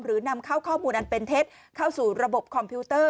นำเข้าข้อมูลอันเป็นเท็จเข้าสู่ระบบคอมพิวเตอร์